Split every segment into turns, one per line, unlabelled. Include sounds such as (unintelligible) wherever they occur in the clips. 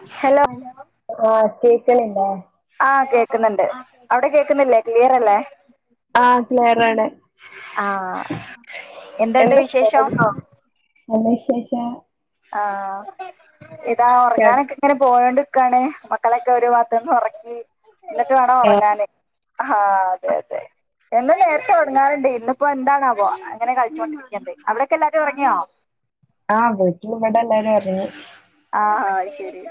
ആഹ്
hello
(unintelligible) ക്കണില്ലേ
ആ കേക്കുന്നുണ്ട് അവിടെ കേക്കുന്നില്ലേ ക്ലിയർ അല്ലേ
ആ ക്ലിയർ ആണ്
ആ എന്തുണ്ട്
എന്താ
വിശേഷം
(unintelligible) നല്ല വിശേഷാ
ആ ആഹ് ഇതാ ഒറങ്ങാനൊക്കെ ഇങ്ങനെ പോണുണ്ട് ക്കാണ് മക്കളൊക്കെ ഒരു ഭാഗത്ത്ന്ന് ഒറക്കി എന്നിട്ട് വേണം ഒറങ്ങാന് ആഹ് അതെ അതെ എന്നും നേരത്തെ ഒറങ്ങാറുണ്ട് ഇന്നിപ്പോ എന്താണാവോ അങ്ങനെ കളിച്ചോണ്ടിരിക്കുന്നുണ്ട് അവിടക്കെ എല്ലാരും ഒറങ്ങിയോ?
ആ വീട്ടില് ഇവടെല്ലാരും ഒറങ്ങി
ആഹ് അയിശെരി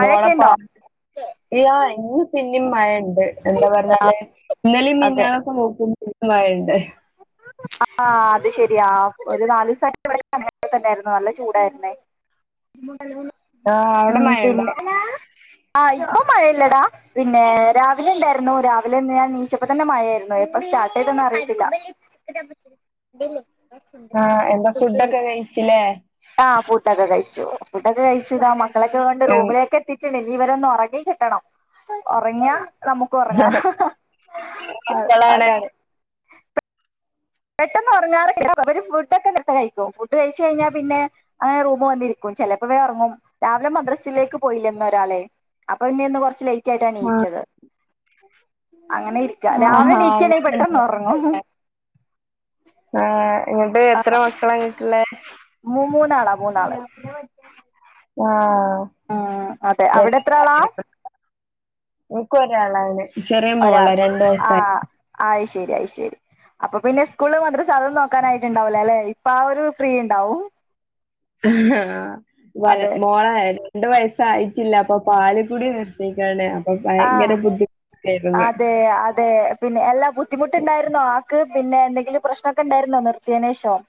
മോളെ (unintelligible) ടിം മഴന്നെ ന്താ
ആ
പറഞ്ഞാല് ഇന്നലെ
അതെ
മിഞ്ഞാന്ന് നോക്കുമ്പോ (unintelligible)
ആ അത് ശെരിയാആ രു നാലോസം (unintelligible) നല്ല ചൂടായിരുന്നേ
ആഹ് അവിടെ മഴണ്ടോ
ആ പിന്നെ മയല്ലടാ രാവിലെ പിന്നെ രാവിലെ ഇണ്ടായിരുന്നു രാവിലെ ഇന്ന് നീച്ചപ്പം തന്നെ മായയിരുന്നു എപ്പളാ സ്റ്റാർട്ട്‌ ചെയ്തദ് അറിയത്തില്ല
ന്താ ഫുടൊക്കെ കഴിച്ചീലെ
ഫുടൊക്കേ കയിച് മക്കളൊക്കെ കൊണ്ട് റൂമിലേക്ക്‌ ഇനി ഇവർ ഒറങ്ങി കിട്ടണം. ഒറങ്ങിയാൽ അ നമുക്കൊറങ്ങാം അ
മക്കളാണ്
അതാണ് പെട്ടന്ന് ഒറങ്ങാറില്ല വർ ഫുഡ്‌ കെ നേരത്തെ കഴിക്കും ഫുഡ്‌ കഴിച്ചേ കഴിഞ്ഞാൽപിന്നെ അങ്ങനെ റൂമിൽ വന്നിരിക്കും ചിലപ്പോൾ വേ ഒറങ്ങും രാവിലെ മദ്രസയിലേക്ക് പോയില്ലേ ഇന്ന് ഒരാൾ അപ്പം ഇന്ന് കൊർച് ലൈ ചായിട്ടാ നീച്ചത് അങ്ങനെയിരിക്കാം രാവിലെ
ആഹ്
നീകാണേൽ പെട്ടന്ന് ഒറങ്ങും
ന്നിട്ട് എത്ര മക്കളാ ഇങ്ങക്ക് ഇള്ളെ
മൂന്നാള മൂന്നാൾ
ആ ആ
ഉം അതെ അവിടെത്ര ആളാ
ഇൻക്ക് ഒരാളാണ് ചെറിയ മോള രണ്ട വയസായി
ആയി ശരിയയി ശരി അപ്പൊ പിന്നെ സ്കൂള് മത്രരം സാധനം നോക്കാനായിട്ട്ുണ്ടാവലേ അല്ലെ ഇപ്പ ആ ഒരു ഫ്രീ ഉണ്ടാവും
ആഹ വ
അതെ
മോളായിരുന്നു രണ്ട വയസ്സായിയിട്ടില്ല അപ്പൊ പാലക്കൂടി നിർത്തിക്കാണ
ആഹ അതെ അതെ പിന്നെ എല്ലാ ബുദ്ധിമുട്ടുണ്ടായിരുന്നോ ക്ക് പിന്നെ എന്തെങ്കിലും പ്രശ്നമൊക്കെ ഉണ്ടായിരുന്നോ നിർയനേഷം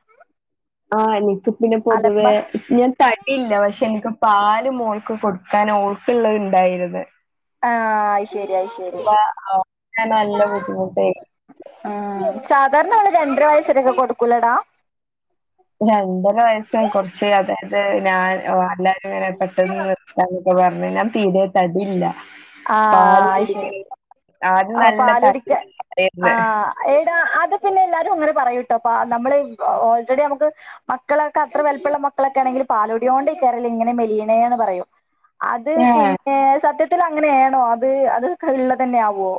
ആഹ് എനിക്ക് പിന്നെ പൊതുവേ ഞാൻ തടിയില്ല പക്ഷെ എനിക്ക് പാാല മോൾക്ക് കൊടുക്കാൻ ഓൾക്കള്ളത് ഉണ്ടായിരുത്
ആഹ രി
അവക്ക് നല്ല ബുദ്ധിമുട്ടായി
രണ്ടര വയസ്സരൊക്കെ കൊടുക്കൂലടാ
രണ്ടര വയസ്സും കുറച്ച് അതായത് ഞാൻ ങ്ങനെ പെട്ടെന്ന് നിർത്താതെ ക്കെ പറഞ്ഞ ഞാൻ പീടിക തടിയില്ല
ആ
പാല്
ശരി
കുടിക്കണ ആദ്യം
അ
നല്ല തടി
പാലുകുടിക്കാൻ
ഉണ്ടായിരുന്നു
ആയിടാ അ പിന്നെ എല്ലാരും അങ്ങെനെ പറയുട്ടോ പ നമ്മള് ഓൾറെഡി നമക്ക് മക്കളൊക്കെ അത്ര വലിപ്പമുള്ള മക്കളൊക്കെ ആണെങ്കിൽ പാലുടിയോ കൊണ്ട് ഈ കേയറിൽ ഇങ്ങനെ മെലീയെണെന്ന് പറയും അത്
ഏഹ്
പിന്നെ സത്യത്തി ണോ അത് അതക്ക ഉള്ള തന്നെ ആവുവോ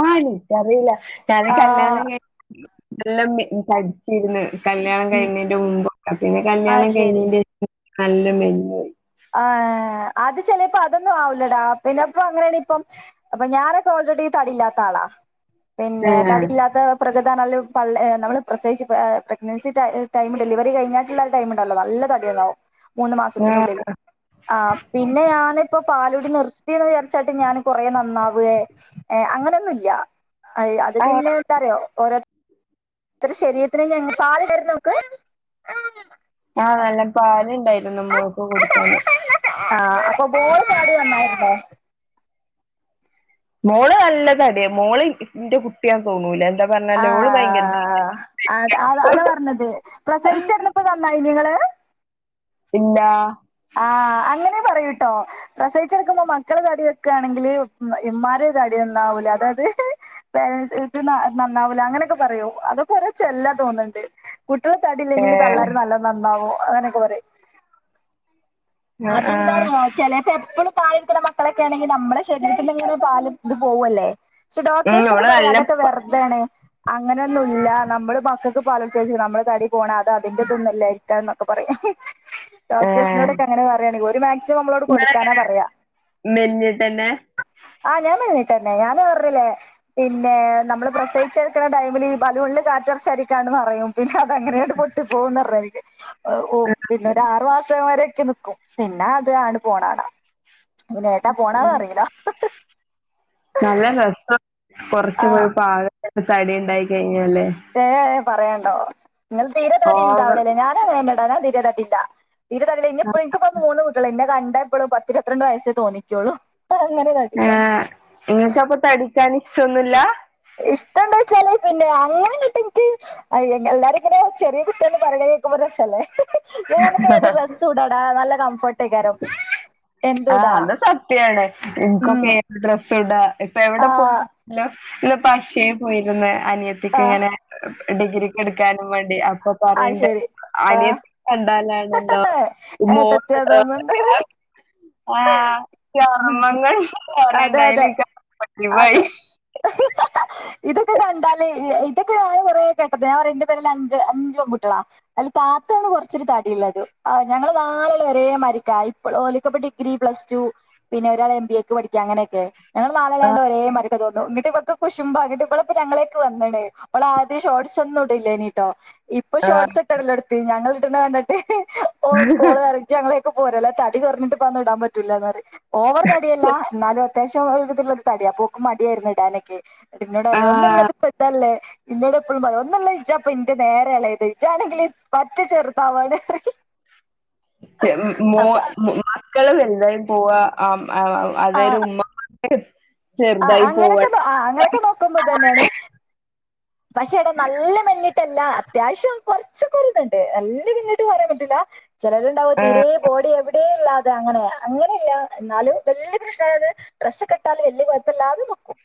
ആ നിത് അറിയില്ല താനെ
ആ
കല്യാണം കഴിഞ്ഞേ ഉള്ളു നല്ല മെ തടിച്ചിരുന്ന് കല്യാണം കഴിഞ്ഞിന്റെ മുമ്പൊക്ക പിന്നെ
ആ
കല്യാണം
ശരി
കഴിഞ്ഞിന്റെ നല്ല മെഞ്ഞയി
ആ അത് ചെലപ്പോ അതൊന്നും ആവില്ലടാ പിന്നെപ്പൊ അങ്ങനെയ ഇപ്പം അപ്പൊ ഞാനൊക്കെ ഓൾറെഡി തടിയില്ലാത്ത ആളാ പിന്നെ
ആഹ്
തടിയില്ലാത്ത പ്രകൃതി എണ പ നമ്മള് പ്രസവിച്ച പ്രെഗ്നൻസി ടൈം ടൈമില്ഡെലിവറി കഴിഞ്ഞിട്ടുള്ള ഒരു ടൈം ഉണ്ടല്ലോ നല്ല തടിയുണ്ടവും മൂന്ന് മാസത്തിനുള്ളിൽ
ആഹ്
ആ പിന്നെ ആ ഞാനിപ്പോ പാലൂകുടി നിർത്തിയെന്ന് വിചാരിച്ചായിട്ട് ഞാൻ കൊറെ നന്നാവേ ഏർ അങ്ങനെയൊന്നും ഇല്ല അ അത്
ആഹ്
പിന്നെ എന്താറോ ഓര ഇത്ര ശരീരത്തിന് ഞാൻ പാല് ഉണ്ടായിന്നോ നോക്ക്
എന്റെ മോൾക്ക് കൊടുക്കാന്
(unintelligible) വന്നായിരുന്നോ
മോള് നല്ലത അടി മോള് ഇന്റെ കുട്ടിയാ ന്ന് തോന്നൂല എന്താ
ആ
പറഞ്ഞാല് ഓള് ഭയങ്കര
അ അ അതാ പറഞ്ഞത് പ്രസവിച്ചിരന്നപ്പോ നന്നയി നിങ്ങള്
ഇല്ലാ
ആ അങ്ങനെ പറയൂ- കേട്ടോ പ്രസവിച്ചു കിടക്കുമ്പോ മക്കള് തടി വെക്കാണെങ്കിൽ ഇമ്മാരി തടി നന്നാവൂല അതായത് പേര നന്നാവൂല അങ്ങനെയൊക്കെ പറയോ അതൊക്കെ ഓരോ ചെല്ലാ തോന്നുന്നുണ്ട് കുട്ടികളെ തടില്ലെങ്കില്
ഏഹ്
തള്ളാർ നല്ല നന്നാവോ അങ്ങനെയൊക്കെ പറയും
ആഹ് ആഹ്
അതെന്താറിയോ ചെലപ്പോ എപ്പളും പാല ഇരിക്കണ മക്കളൊക്കെ ആണെങ്കിൽ നമ്മടെ ശരീരത്തിന്ന ങ്ങനെ ഒരു പാലും ഇത് പോവുവല്ലേ പക്ഷെ
ഉം
ഡോക്ടേഴ്സൊക്കെ
ഓള്
പറയും
നല്ല
അതൊക്കെ
പ
വെറുതാണ് അങ്ങനൊന്നും ഇല്ല നമ്മള് മക് ക്ക് പാല് കൊടുത്ത കഴിഞ്ഞാൽ നമ്മുടെ തടി പോണം അത് അതിന്റെ തുന്നല്ലോ ഇല്ല എന്നൊക്കെ പറയും
ആ
പറയാണെങ്കിൽ (unintelligible)
നിങ്ങങ്ങനെ മെല്ലിഞ്ഞിട്ടന്നെ
ആ ഞാൻ മേല്ലിട്ടെന്നേ ഞാൻ പറഞ്ഞില്ലേ ല്ലേ പിന്നെ നമ്മള് പ്രസവിച്ചെടുക്കണ ടൈമിൽ ഈ ബലൂ ണിൽ കാറ്ററച്ചരിക്കാന്ന് നറയും പിന്നെ അങ്ങനെയട്ട പൊട്ടി പോകന്ന് പറഞ്ഞത് ഓ പിന്നെ ഒരു ആറു മാസം വരെ പിന്നെ അത് ആണ് പോണാടാ പിന്ന ഏട്ടാ പോണന്ന അറിയിലോ
കൊറച്ച പോയി പാഴ എനിക്ക് തടി ഉണ്ടായിക്ക അല്ലേ
ഏ പറയണ്ടോ നിങ്ങൾ തീര തടി ഉണ്ടാവൂല്ല ല്ലേ ഞാന ങ്ങനെട തീരതടി ഇല്ല തീരെ തടില്ല നിന്നെ എനിക്ക് മൂന്ന് കുട്ടികളാണ് ഇന്ന് കണ്ട (unintelligible) എ എപ്പോഴും പത്തി രൂപത്രണ്ടു വയസ്സേ തോന്നിക്കോളൂ
ആ നിങ്ങക്കപ്പ തട ജനിച്ചൊന്നുമില്ല
ഇഷ്ടം എണ്ട വെച്ചാല് പിന്നെ അങ്ങനിട്ട് എനിക്ക് എല്ലാരും ഇങ്ങനെ ചെറിയ കുട്ടിയന്ന് പറയണകേക്കുമ്പതന്നെ കംഫർട്ട് ആയിക്കാരം
ആ
എന്തുടാ
അത് സത്യണ്
ഉം
എനിക്കൊക്ക ഏ ഡ്രസ് ഇടാ ഇപ്പൊ
ആ
എവിടെ പോയിലോ ഇന്നിപ്പോ അക്ഷയിൽ പോയിരുന്നു അനിയത്തി
ആ
ങ്ങനെ ഡിഗ്രിക്ക് എടുക്ക ക്കാനും വേണ്ടി ഇപ്പൊ
ആ
പറയണ്ട്
ശരി ആ
അനിയ ണല്ലോോ
ഏട്ടത്തി അതൊന്നുണ്ട്
ആഹ ചർമ്മങ്ങൾ
അതെ അതെ
പറണ്ടായിലയി
അതെ.
(unintelligible)
ഇൊക്കെ ഞൻ കുറേ കേട്ടത് ഞാൻ പറന്റെ പേരിൽ അഞ്ച് അഞ്ച പൺകുട്ടളാ അതില് താത്താണ് കുറച്ചൊരു തടി ഉുള്ളത് ആ ഞങ്ങള് നാലാലും ഒരേ മരിക്കാ ഇപ്പോൾ ഓലിക്കപ്പി ഡിഗ്രി പ്ലസ് ടു പിന്നെ ഒരാൾ എം ബി എക്ക് പഠിക്കാം അങ്ങനെയൊക്കെ ഞങ്ങള് നാളണ്ട്
ആഹ്
ഒര മ തോന്നുന്നു ഇങ്ങിട്ട ഇപ്പൊക്കെ കുശുമ്പ അങ്ങട്ട് ഇപ്പള ഇപ്പോ ഞങ്ങളേക്ക് വതണ്അവള ആദ്യം ഷോട്ട്സ് ഒന്നും ഇടൂല്ലേനീട്ടോ ഇപ്പൊ
ആഹ്
സോഴ്സ് ഇടല്തോടത്തി ഇടുന്നത് കണ്ടിട്ട് ഓ കോള് വരച്ചങ്ങൾ ഒക്കെ പോരല്ല തടി കുറഞ്ഞിട്ട് വന്നിടാൻ പറ്റൂല്ലന്ന് പറയും ഓവർ തടിയല്ല എന്നാലും അത്യാവശ്യം ഒരു ബുദ്ധിമൂട് തടിയ ഓക്ക് മടിയായിരുന്നു ഇടാനൊക്കെ നിട്ട് എന്നോട് പറയ
ആഹ്
(unintelligible) കൊച്ചല്ലേ ഇന്നോട് എപ്പോഴും പറം ഒന്നല്ല ഈച്ച അപ്പ ഇന്റെ നേരെളയത് ച്ചാണെങ്കിൽ പറ്റ ചെറുത്താവാണ്
ചെന്ന് മോൻ മോ മോൻ മക്കളൾ ചെറുതായി പോവാ ആം ആന്ന് അതൊരു ഉമ്മ
ആ അങ്ങനൊക്കെ ആ അങ്ങനൊക്കെ നോക്കുമ്പോ ഇത് തന്നാണ് പക്ഷെ ഇവിടെ നല്ല മല്ലി ത്തല്ലാ അത്യാവശ്യം കൊറച്ചൊക്കര് ഇത്ണ്ട്. എല്ലും പിന്നിട്ട് പറയാൻ പറ്റൂല്ല. ചിലര് ഉണ്ടാവോ തീരെ ബോഡി യെവിടേ ല്ലാതെ അങ്ങനെ. അങ്ങന്യെല്ല, എന്നാലും വല്യ പ്രശ്നാകാതെ ഡ്രസ്സ് ഒക്കെ ഇട്ടാല് വല്യ കൊയ് പ്പല്ലാതെ നോക്കും.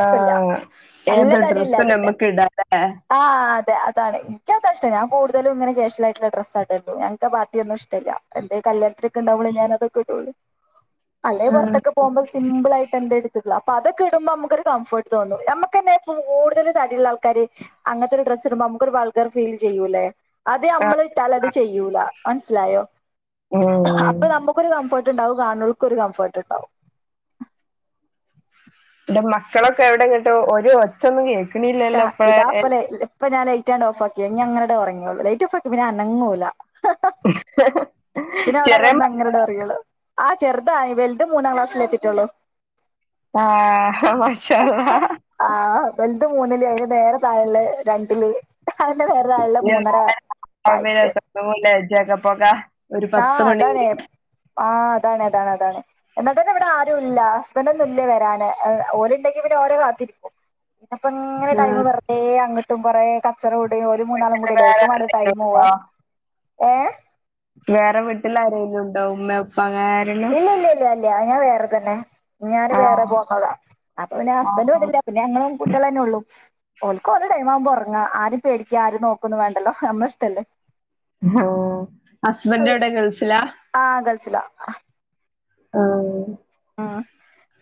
ആഹ് ഏത്
തടി
ഡ്രസ്സും
ഇല്ലാതില്ല
ഞമ്മക്ക് ഇടാലേ
ആഹ് അതാണ് ഇൻക്യതാ ഇഷ്ടം. ഞാൻ കൂടുതലും ഇങ്ങന ക്യാഷ്യൽ ആയിട്ടുള്ള ഡ്രസ് ആ ഇടല്. ഞങ്ങക്കാ പാർട്ടിയൊന്നും ഇഷ്ടല്ല എന്തേം കല്യാണത്തിനൊക്കെണ്ടാവുമ്പളേ ഞാനതൊക്കെ ഇടൊള്ളൂ. അല്ലേ
ആഹ്
പുറത്തൊക്കെ പോകുമ്പം സിമ്പിൾ ആയി ട്ട്ള്ള. അപ്പതൊക്കെ ഇടുമ്പോ നമുക്ക് ഒരു കംഫർട്ട് തോന്നും. നമുക്കന്നെ കൂടുതൽ തടിള്ളാൾ ക്കാര് അങ്ങൻത്തൊരു ഡ്രസ് ടുമ്പം നമുക്കൊര് വൾഗർ ഫീൽ ചെയ്യൂല്ലേ അത് നമ്മൾ ഇട്ടാൽ അത് ചെയ്യൂല. മനസ്സിലായോ
ഉം
അപ്പൊ നമുക്കൊരു കംഫോർ ട്ട്ണ്ടാവും കാണ് നോൽക്കൊരു കംഫർട്ട് ഉണ്ടാവും.
ൻ്റെ മക്കളൊക്കെ എവിടെങ്ങട്ട്? ഒരു ഒച്ച ഒന്നും കേ ക്ണില്ലല്ലോ (unintelligible)
ഇപ്പം ഞാൻ ലേറ്റ് ആണ്ട് ഓഫ് ആക്കിയേ. ഇഞ് അങ്ങനാണ്ട് ഉറങ്യോള്ളും ലേറ്റ് ഓഫ് ആക്കിയാ പിന്നെ അനങ്ങൂല. പിന്നെ അവിടെ
ചെറിയ മ
കെടന്ന് അങ്ങനണ്ട് ഉറങ്യോളും. ആഹ് ചെറുതായി വലുത് മൂന്നാം ക്ലാസ്സിലെ എത്തിട്ടുള്ളു.
ആഹ് മാഷാ അല്ലാഹ്
മൂന്നിലായ വേറെ താഴെയുള്ളെ രണ്ടില് അതിന്റെ നേരെ താഴെയുള്ള മൂന്നര
(unintelligible)
ആഹ്
മണി
അതണെ ആഹ് അതാണ് അതാണ് അതാണ് എന്നാ തന്നെ ഇവിടെ ആരും ഇല്ല ഹസ്ബൻറ് ഒന്നും ഇല്ലേ വരാന് ഓര് ഉണ്ടെങ്കി പിന്നെ ഓരേ കാത്തിരിക്കും അപ്പം ഇങ്ങനെ ടൈം
ആഹ്
വെർതെ അങ്ങട്ടും കുറേ ക ച്ചറ കൂടിം ഓല് മൂന്നാളും കൂടിയല്ലേ
വേറെ
ഓൽക്കും മാണ്ടേ
ആരേലും
ടൈം മോവാ
ഉണ്ടോ
ഏഹ്
വേറെ ട്ടിലാരേലും ഉണ്ടോ ഉമ്മ ഉപ്പ അങ്ങനെ ആരേലും
ഇല്ല ഇല്യ ഇല്യ ഞാൻ വേ റെ തന്നെ ഞാന് വേറെ
ആഹ്
പോന്നതാ അപ്പം പിന്നെ ഹസ്ബെന്റ് ഇവടില്ല പിന്നെ ഞങ്ങളും കുട്ടിയേളും തന്നെ ഉള്ളൂ ഓൽക്കോലെ ടൈം ആവുമ്പോ ഒറങ്ങാ ആരിം പേടിക്ക്യാ ആരിം നോക്കൊന്നും വേണ്ടല്ലോ നമ്മളെ ഇഷ്ടല്ലേ
ഉഹും ഹസ്ബെന്റ് എവിടെ ഗൾഫിലാ
ഫിലാ
ആഹ്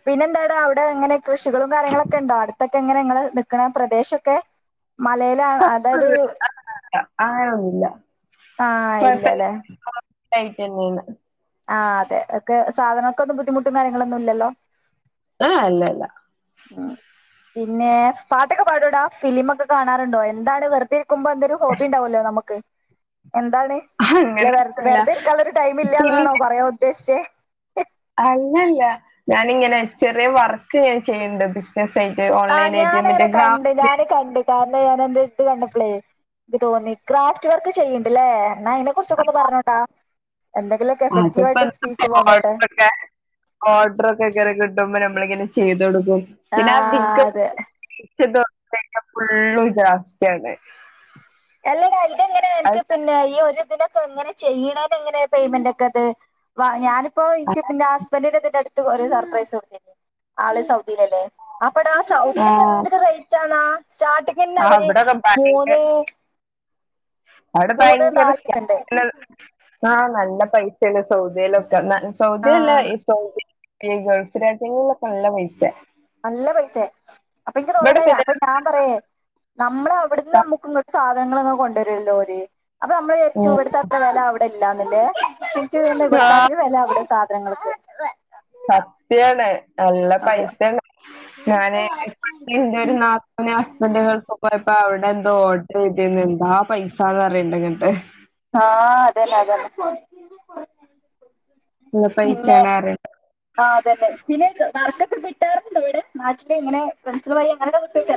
പിന്നെ എന്താടാ അവിടെ എങ്ങനെ കൃഷികളും കാര്യങ്ങളൊക്കെ ഉണ്ടോ അടുത്തൊക്കെ എങ്ങനാ നിങ്ങള് നിക്ക്ണ പ്രദേശൊക്കെ മലയിലാ അതായത്
അങ്ങനൊന്നുല്ല
ആ ഇല്ല ലേ
ലായ്റ്റന്നേണ്
ആഹ് അതെ ഒക്കെ സാധനങ്ങൾക്കൊന്നും ബുദ്ധിമുട്ടും കാര്യങ്ങളൊന്നും ഇല്ലല്ലോ
ഏയ് ഇല്ല ഇല്ല
പിന്നെ പാട്ടൊക്കെ പാടുവോടാ ഫിലിമൊക്കെ കാണാറുണ്ടോ എന്താണ് വെറുതെ നിക്കുമ്പോ എന്തേലും ഹോബി ഉണ്ടാവല്ലോ നമുക്ക് എന്താണ് അല്ല
അങ്ങനൊന്നുമില്ല
വെറുതെ ഇരിക്കാൻ ഉള്ള ഒരു ടൈം
പിന്നെ
ഇല്ല്യാന്നാണോ പറയാൻ ഉദ്ദേശിച്ചേ
അല്ലല്ല ഞാനിങ്ങനെ ചെറിയ വർക്ക് ഞാൻ ചെയ്ണ്ട് ബിസിനസ് ആയിട്ട്
ആഹ്
ഓൺലൈൻ ആയിട്ട്
ഞാനങ്ങനെ
മറ്റേ
കണ്ട്
ഗ്രാഫിക്
ഞാന് കണ്ട് കാര ണം ഞാൻ എന്ന് ഇത് കണ്ടപ്പളേ എനിക്ക് തോന്നി ക്രാഫ്റ്റ് വർക്ക് ചെയ്യ്ണ്ടല്ലേ എന്നാ അയിനെ കുറിച്ചൊക്കെ ഒന്ന് പർഞ്ഞൊണ്ടാ എന്തെങ്കിലൊക്കെ എഫക്റ്റീവ്
അതിപ്പോ
ആയിട്ട് സ്പീച്ച് പോന്നോട്ടെ
ഓർഡർ ഒക്കെ കിട്ടുമ്പോ നമ്മള് ഇങ്ങനെ ചെയ്ത് കൊടുക്കും
ആഹ് അതെ
(unintelligible) ഫുള്ളും ഈ ക്രാഫ്റ്റാണ്
അല്ലടാ ഇത് എങ്ങനെ അൻക്ക് പിന്നെ ഈ ഒരു ഇത് ന് എങ്ങനെ ചെയ്യ്ണേന് എങ്ങനെ പയ്മെന്റ് ഒക്കെ ഇത് വാ ഞാ ഇപ്പോ എനിക്ക് പിന്നെ ഹസ്ബൻ്റിൻ്റെക്കെ (unintelligible) ഒരൂ സർപ്രൈസ് കൊടുത്ത (unintelligible) ആള് സർ സൗദിലല്ലേ അപ്പട ആ സൗദിയിലൊക്കെ എന്തൊരു റേറ്റ് ആണാ സ്റ്റാർട്ടിങ്ങന്നെ അവര്
അവിടൊക്കെ ഭയങ്കര
മൂന്ന്
അവിടെ
മൂന്ന്
ഭയങ്കര
നാലൊക്കെണ്ട്
(unintelligible) ആഹ് നല്ല പൈസല്ലേ സൗദിയല്ല തന്നെ സൗദി അല്ല
ആഹ്
ഈ സൗദി (unintelligible) വിദേശരാജ്യങ്ങളിലൊക്കെ നല്ല പൈസ
നല്ല പൈസയാ അപ്പൊ എനിക്ക് തോന്നണ
പിന്നെ
അപ്പൊ ഞാൻ പറയേ നമ്മള അവിടുന്ന്
ക-
നമ്മുക്ക് ഇങ്ങോട്ട് സ ധനങ്ങളൊക്കെ കൊണ്ടുവരുമല്ലോ ഓര് അപ്പൊ നമ്മൾ വിചാരിച്ചു
ഉം.
ഇവിടുത്തെ അത്ര വില അവിടെ ഇല്ലാന്നല്ലേ
ആ
ഇവിടത്താട്ടിലും വില അവിടെയാ സാധ പാത്രങ്ങളക്കെ
സത്യാണ് നല്ല
അതെ
പൈസാണ് ഞാന് (inaudible) എന്റെ ഒരു നാത്തൂൻ്റെ ഹസ്ബൻഡ് ഗൾഫ് പോയപ്പോ അവിടെ എന്തോ ഓ ചെയ്തിന് എന്താ പൈസാന്ന് പറഞ്ഞിക്കിട്ട്
ആഹ് അതെല്ലേ അതെല്ല
നല്ല
പിന്നെ
പൈസയാണ് പറയണ്ട്.
ആ അതന്നെ പിന്നെയില്ലേ വർഷ വിട്ടാരുന്നല്ലേ അവിടെ നാട്ടില് ഇങ്ങനെ ഫ്രണ്ട്സുകള് അങ്ങോട്ട് (unintelligible)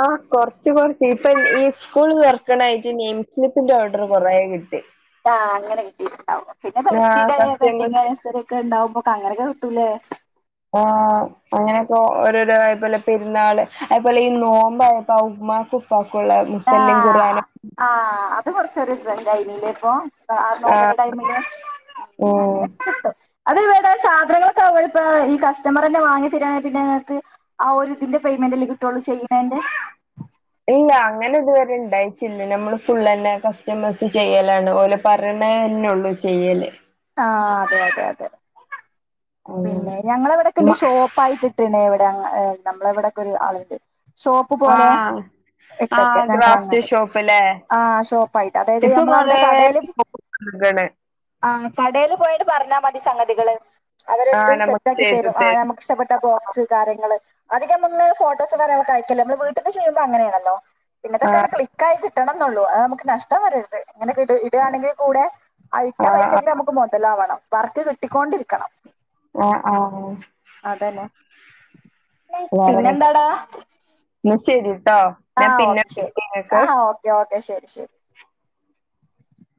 ആ കൊറച്ച് കൊറച്ച് ഇപ്പൊ ഈ സ്കൂൾ തുർക്കണായിട്ട് നെയിം സ്ലിപ്പിന്റെ ഓർഡർ കൊറേ കിട്ടി
ആഹ് അങ്ങന കിട്ടിട്ടിണ്ടാവും പിന്നെ
ആ
ബർത്ത്ഡേ വെഡിങ്
കസ്റ്റമേഴ്സ്
അനിവേഴ്സറി ഒക്കെണ്ടാവുമ്പോ കളർകൾ ട്ടുല്ലേ
ആഹ് അങ്ങനക്കെ ഓരോരോ ഇതല്ലേ പെരുന്നാള് അയ്പോലെ ഈ നോമ്പായപ്പോ ഉമ്മാക്ക്
ആഹ് ആഹ് ആഹ് ആഹ് അ ത് കുറച്ചൊരു ട്രെന്റായിര്ന്നില്ലേ ഇപ്പൊ ആ നോമ്പിന്റെ
ആഹ്
ടൈമില് അങ്ങനെ
ഉം
കിട്ടും അതെവിടാ സാധനങ്ങളൊക്കെ അവര് ഇപ്പ ഈ കസ്റ്റമറന്നെ വാങ്ങി തരാങ്കി പിന്നെ ഇങ്ങക്ക് ആ ഒരു ഇതിന്റെ പേയ്മെന്റ്ല്ലേ കിട്ടുള്ളൂ ചെയ്യണേന്റെ
ഇല്ല അങ്ങനെ ഇതുവരെ ഇണ്ടായിറ്റില്ല നമ്മള് ഫുള്ളന്നെ കസ്റ്റമേഴ്സ് ചെയ്യലാണ് ഒല് പറണേനുള്ളു ചെയ്യല്
ആ അതെ അതെ അതെ
അങ്ങനെ
പിന്നെ ഞങ്ങളവാടക്കിണ്ട്
മ
ഷോപ്പായിട്ട്ട്ടിണ്ടെ (unintelligible) നമ്മളെവിടെക്കെ ഒരു ആളുണ്ട് ഷോപ്പ് പോലെയാ
ആഹ്
ഇട്ടേക്ക
ആഹ് ഗ്രാഫ്റ്റ്
ഞങ്ങളങ്ങാട്ട്
ഷോപ്പ്ല്ലേ
ആ ഷോപ്പായിട്ട് അതായത്
ഇപ്പൊ
നമ്മളവിടെ
കൊറേ
കടേല്
വന്ന്ക്ക്ണ്
ആ കടേല് പോ പറഞ്ഞാൽ മതി സംഗതികള്.
ആഹ്
അവരെല്ലും
നമുക്ക്
സെറ്റാക്കി
ചെയ്തു
തരും ആ ഞമ്മക്ക് ഇഷ്ടപ്പെട്ട ബോക്സ് കാര്യങ്ങള്. അധികം നമ്മള് ഫോട്ടോസ് വേറെയാക്ക് അയക്കല്ലോ നമ്മള് വീട്ടിന്ന് ചെയ്യുമ്പോ അങ്ങനെയാണല്ലോ?
ആഹ്
ന്നുള്ളൂ അത് നമ്മക്ക് നഷ്ടം വരരുത്. അങ്ങനെ കിട് ഇടുകാണെങ്ങി കൂടെ ഇട്ട
ആഹ് ആഹ്
പൈസേന്റെ നമക്കു മുതലാവണം. വർക്ക് കിട്ടിക്കൊണ്ടിരിക്കണം.
ആ ആ
അതന്നെ പിന്നെന്താടാ?
ന്നാ ശരി.
ആഹ് ഓക്കെ ശരി ആ ഓക്കെ ഓക്കെ ശരി. ശരി.